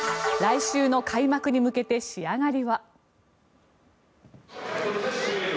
来週の開幕に向けて仕上がりは。